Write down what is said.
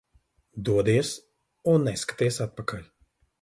Dodies un neskaties atpakaļ.